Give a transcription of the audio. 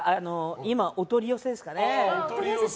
今、お取り寄せですかね。